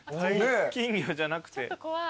金魚じゃなくて。